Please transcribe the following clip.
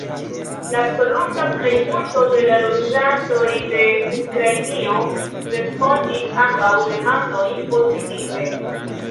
La absoluta plejmulto de la loĝantoj de Ukrainio respondis ambaŭ demandojn pozitive.